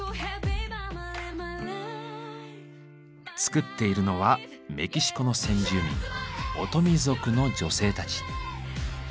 作っているのはメキシコの先住民オトミ族の女性たち。